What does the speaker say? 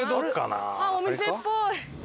あっお店っぽい！